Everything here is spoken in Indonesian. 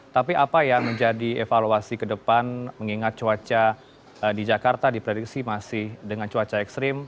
tapi apa yang menjadi evaluasi ke depan mengingat cuaca di jakarta diprediksi masih dengan cuaca ekstrim